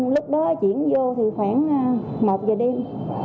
lúc đó chuyển vô thì khoảng một giờ đêm